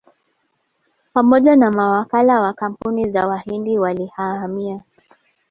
Pamoja na mawakala wa kampuni za Wahindi walihamia